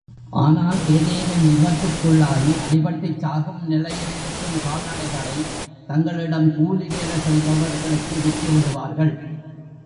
ஆனால் ஏதேனும் விபத்துக்குள்ளாகி அடிபட்டுச் சாகும் நிலையிலிருக்கும் கால் நடைகளைத் தங்களிடம் கூலிவேலை செய்பவர்களுக்கு விற்றுவிடுவார்கள்.